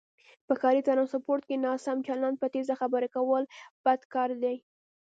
په ښاری ټرانسپورټ کې ناسم چلند، په تیزه خبرې کول بد کاردی